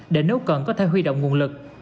để nếu cần có thể huy động nguồn lực